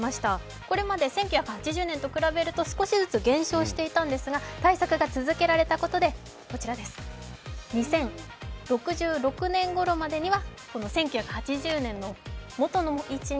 これまで１９８０年と比べると少しずつ減少していたんですが対策が続けられたことで２０６６年ごろまでには、この１９８０年の元の位置に